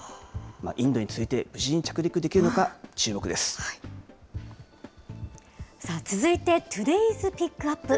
インドに続いて、無事に着陸できさあ、続いて、トゥデイズ・ピックアップ。